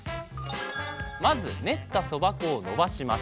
まず練ったそば粉をのばします。